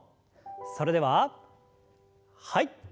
それでははい。